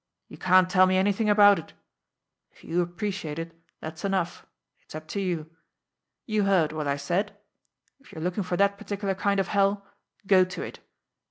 "You can't tell me anything about it. If you appreciate it, that's enough it's up to you. You heard what I said. If you're looking for that particular kind of hell, go to it.